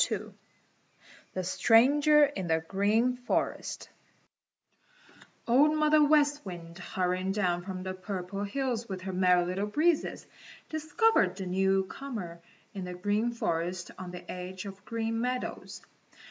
II THE STRANGER IN THE GREEN FOREST Old Mother West Wind, hurrying down from the Purple Hills with her Merry Little Breezes, discovered the newcomer in the Green Forest on the edge of the Green Meadows.